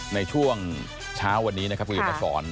ในช่วงเช้าวันนี้นะครับคุณเห็นมาสอน